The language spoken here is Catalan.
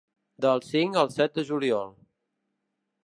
Del cinc al set de juliol.